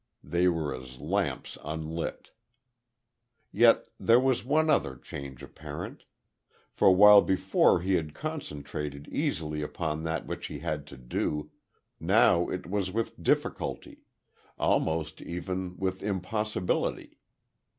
They were as lamps unlit. Yet was there one other change apparent; for while before he had concentrated easily upon that which he had to do, now it was with difficulty almost, even, with impossibility.